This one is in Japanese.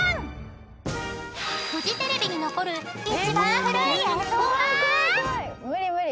［フジテレビに残る一番古い映像は？］